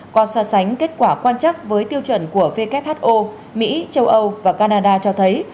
qua so sánh kết quả quan chắc với tiêu chuẩn của who mỹ châu âu và canada cho thấy